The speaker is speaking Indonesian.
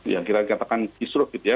yang kita katakan kisruh gitu ya